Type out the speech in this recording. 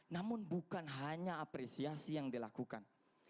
namun bukan hanya apresiasi yang dilakukan